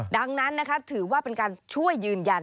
ดังนั้นนะคะถือว่าเป็นการช่วยยืนยัน